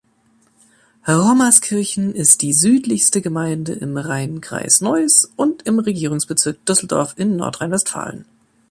Rommerskirchen ist die südlichste Gemeinde im Rhein-Kreis Neuss und im Regierungsbezirk Düsseldorf in Nordrhein-Westfalen.